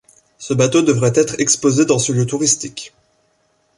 Ce bateau devrait être exposé dans ce lieu touristique.